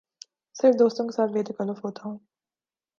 صرف دوستوں کے ساتھ بے تکلف ہوتا ہوں